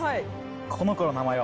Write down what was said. この子の名前は。